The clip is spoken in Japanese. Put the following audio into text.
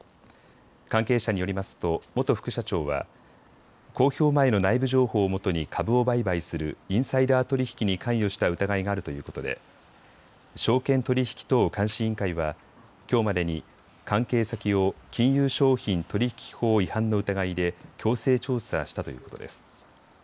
関係者によりますと元副社長は公表前の内部情報をもとに株を売買するインサイダー取引に関与した疑いがあるということで証券取引等監視委員会はきょうまでに関係先を金融商品取引法違反の疑いで強制調査したということです。